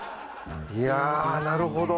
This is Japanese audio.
いやあなるほど。